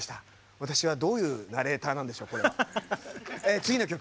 私はどういうナレーターなんでしょう、これ。